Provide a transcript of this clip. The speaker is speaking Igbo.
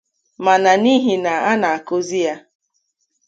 mana n'ihi na a na-akụzi ya